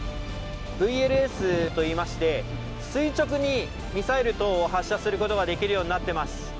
ＶＬＳといいまして、垂直にミサイル等を発射することができるようになっています。